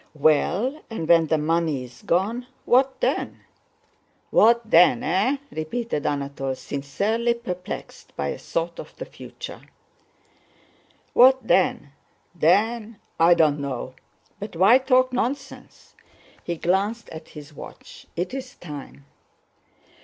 "Well and when the money's gone, what then?" "What then? Eh?" repeated Anatole, sincerely perplexed by a thought of the future. "What then?... Then, I don't know.... But why talk nonsense!" He glanced at his watch. "It's time!"